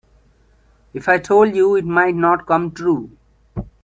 If I told you it might not come true.